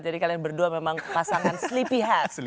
jadi kalian berdua memang pasangan sleepyhead